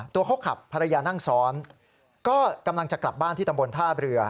ตัวเขาขับภรรยานั่งซ้อนก็กำลังจะกลับบ้านที่ตำบลท่าเรือ